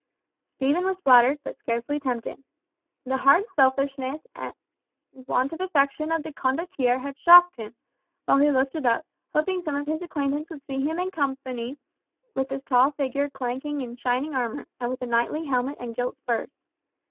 Stephen was flattered, but scarcely tempted. The hard selfishness and want of affection of the Condottiere shocked him, while he looked about, hoping some of his acquaintance would see him in company with this tall figure clanking in shining armour, and with a knightly helmet and gilt spurs.